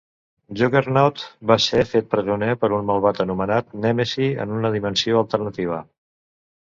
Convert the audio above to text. Juggernaut va ser fet presoner per un malvat anomenat Nèmesi en una dimensió alternativa.